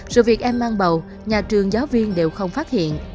sự việc em mang bầu nhà trường giáo viên đều không phát hiện